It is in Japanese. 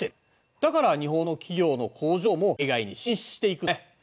だから日本の企業の工場も海外に進出していくんだね。